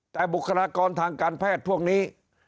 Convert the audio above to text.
แต่บุคลากรทางการแพทย์พวกนี้